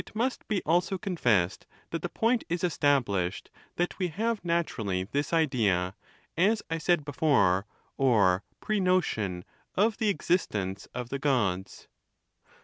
I™ nst be also confessed that the point is established that ^We have naturally this idea, as I said before, or prenotion, of the existence of the Gods.